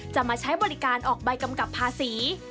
มาใช้บริการออกใบกำกับภาษี